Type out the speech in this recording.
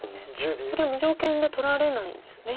これ無条件で取られないんですね。